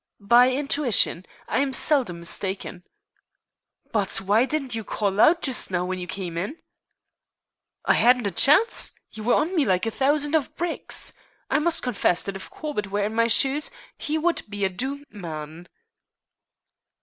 "By intuition. I am seldom mistaken." "But why didn't you call out just now when you came in?" "I hadn't a chance. You were on me like a thousand of bricks. I must confess that if Corbett were in my shoes he would be a doomed man."